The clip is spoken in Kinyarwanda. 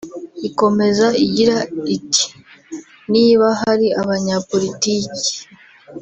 Ikomeza igira iti “Niba hari abanyapolitiki